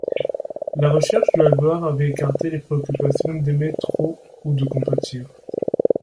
La recherche de la gloire avait écarté les préoccupations d'aimer trop ou de compatir.